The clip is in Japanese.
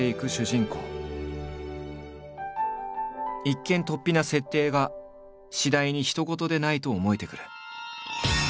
一見とっぴな設定が次第に他人事でないと思えてくる。